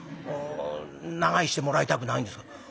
長居してもらいたくないんですか。